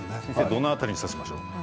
どの辺りに刺しましょうか？